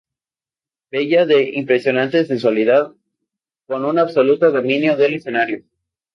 Bella, de impresionante sensualidad y con un absoluto dominio del escenario.